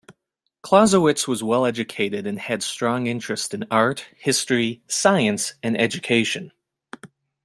Clausewitz was well-educated and had strong interests in art, history, science, and education.